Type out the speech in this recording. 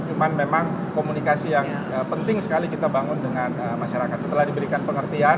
cuman memang komunikasi yang penting sekali kita bangun dengan masyarakat setelah diberikan pengertian